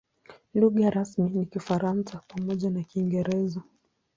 Lugha rasmi ni Kifaransa pamoja na Kiingereza.